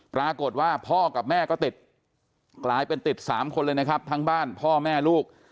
ปรากฏว่าพ่อกับแม่ก็ติดกลายเป็นติด๓คนเลยนะครับทั้งบ้านพ่อแม่ลูก